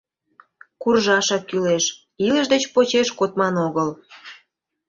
— Куржашак кӱлеш, илыш деч почеш кодман огыл.